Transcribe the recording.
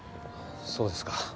そうですか。